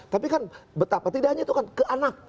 tapi kan betapa tidaknya itu kan ke anak